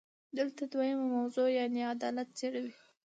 دلته دویمه موضوع یعنې عدالت څېړو.